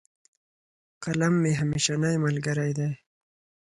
قلم مي همېشنی ملګری دی.